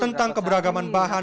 tentang keberagaman bahan